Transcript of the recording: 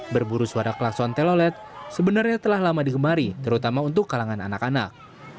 berburu suara klason telolet sebenarnya telah lama digemari terutama untuk kalangan anak anak